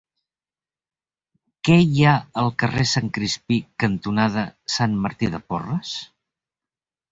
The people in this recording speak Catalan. Què hi ha al carrer Sant Crispí cantonada Sant Martí de Porres?